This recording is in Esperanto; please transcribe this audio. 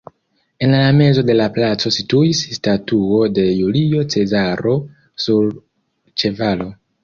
En la mezo de la placo situis statuo de Julio Cezaro sur ĉevalo.